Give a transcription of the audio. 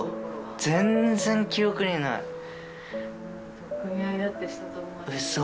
全然記憶にないうそ？